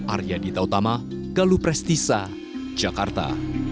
arya dita utama galuh prestisa jakarta